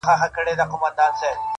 دا نظم وساته موسم به د غوټیو راځي!.